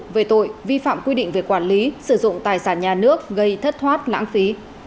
về tội vi phạm quy định về quản lý sử dụng tài sản nhà nước gây thất thoát lãng phí